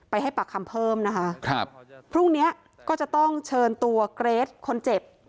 ให้ปากคำเพิ่มนะคะครับพรุ่งเนี้ยก็จะต้องเชิญตัวเกรทคนเจ็บ